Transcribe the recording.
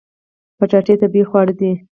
کچالو طبیعي خواړه دي